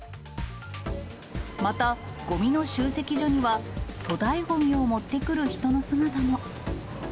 また、ごみの集積所には、粗大ごみを持ってくる人の姿も。